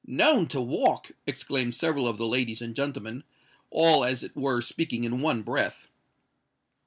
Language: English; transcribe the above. "Known to walk!" exclaimed several of the ladies and gentlemen, all as it were speaking in one breath.